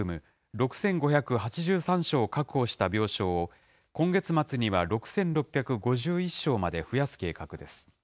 ６５８３床を確保した病床を、今月末には６５５１床まで増やす計画です。